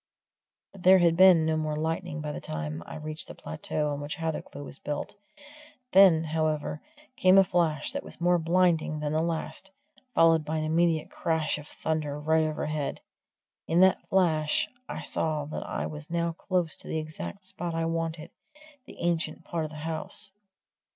But there had been no more lightning by the time I reached the plateau on which Hathercleugh was built; then, however, came a flash that was more blinding than the last, followed by an immediate crash of thunder right overhead. In that flash I saw that I was now close to the exact spot I wanted the ancient part of the house.